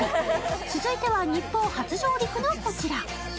続いては日本初上陸のこちら。